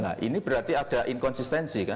nah ini berarti ada inkonsistensi kan